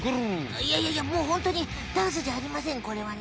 いやいやいやもうホントにダンスじゃありませんこれはね。